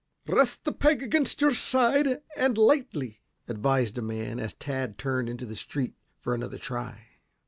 "Rest the peg against your side, and lightly," advised a man, as Tad turned into the street for another try.